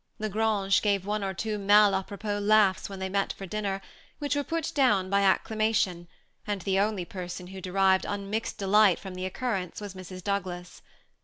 La Grange gave one or two mal apropos laughs when they met at dinner, which were put down by acclamation, and the only person who derived unmixed delight from the occurrence was Mrs. Douglas.